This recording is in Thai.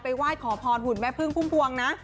ไหว้ขอพรหุ่นแม่พึ่งพุ่มพวงนะ